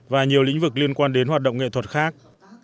và nhiều lĩnh vực liên quan đến hoạt động nghệ thuật khác